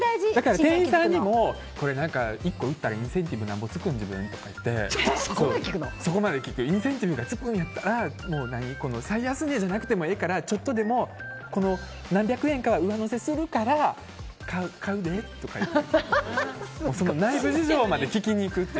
店員さんにも１個売ったらインセンティブなんぼつくん？とか言ってインセンティブがつくんだったら最安値じゃなくてもいいからちょっとでも何百円かは上乗せするから買うでとか言って内部事情まで聞きにいく。